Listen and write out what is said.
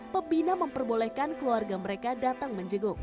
pebina memperbolehkan keluarga mereka datang menjeguk